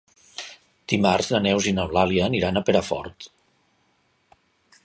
Dimarts na Neus i n'Eulàlia aniran a Perafort.